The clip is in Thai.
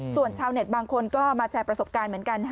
ส่วนชาวเน็ตบางคนก็มาแชร์ประสบการณ์เหมือนกัน